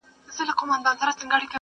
• سړي وایې موږکانو دا کار کړﺉ,